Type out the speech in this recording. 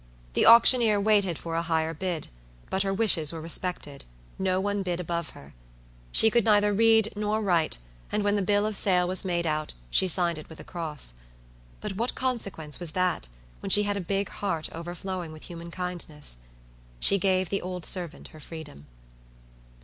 The auctioneer waited for a higher bid; but her wishes were respected; no one bid above her. She could neither read nor write; and when the bill of sale was made out, she signed it with a cross. But what consequence was that, when she had a big heart overflowing with human kindness? She gave the old servant her freedom.